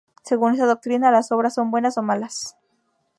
Según esta doctrina, las obras son buenas o malas.